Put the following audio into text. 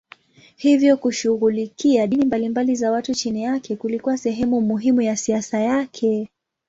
Hivyo kushughulikia dini mbalimbali za watu chini yake kulikuwa sehemu muhimu ya siasa yake.